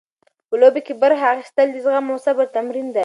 په لوبو کې برخه اخیستل د زغم او صبر تمرین دی.